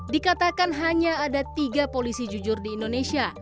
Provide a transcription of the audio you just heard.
dikatakan hanya ada tiga polisi jujur di indonesia